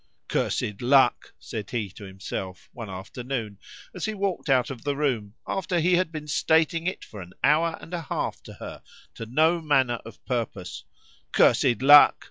——Cursed luck!——said he to himself, one afternoon, as he walked out of the room, after he had been stating it for an hour and a half to her, to no manner of purpose;—cursed luck!